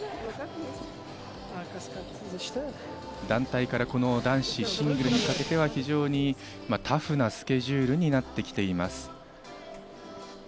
団体から男子シングルにかけては非常にタフなスケジュールになってきています。